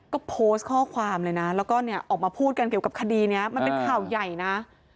ก็โพสต์ข้อความเลยนะแล้วก็เนี่ยออกมาพูดกันเกี่ยวกับคดีนี้มันเป็นข่าวใหญ่นะ